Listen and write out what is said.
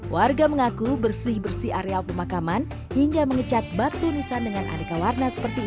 warga mengaku bersih bersih areal pemakaman hingga mengecat batu nisan dengan aneka warna seperti ini